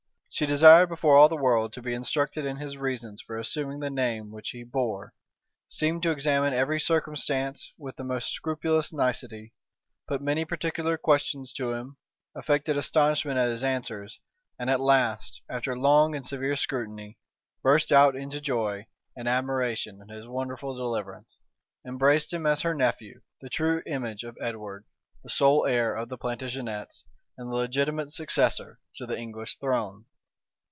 She desired before all the world to be instructed in his reasons for assuming the name which he bore; seemed to examine every circumstance with the most scrupulous nicety; put many particular questions to him; affected astonishment at his answers; and at last, after long and severe scrutiny, burst out into joy and admiration at his wonderful deliverance, embraced him as her nephew, the true image of Edward, the sole heir of the Plantagenets, and the legitimate successor to the English throne.